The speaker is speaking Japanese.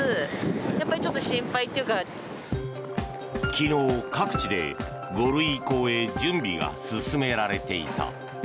昨日、各地で５類移行へ準備が進められていた。